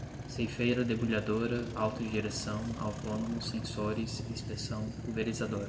ceifeira-debulhadora, autodireção, autônomos, sensores, inspeção, pulverizador